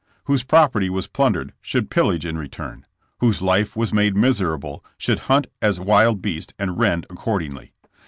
Whose property was plundered should pillage in re* turn? Whose life was made miserable, should hunt as wild beast and rend accordingly